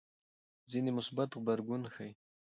ځینې مثبت غبرګون ښيي.